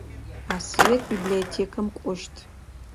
Асыет библиотекэм кӏощт.